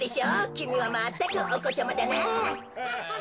きみはまったくおこちゃまだなあ。